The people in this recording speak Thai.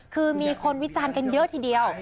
คือมีคนวิจารณ์กันเยอะทีเดียว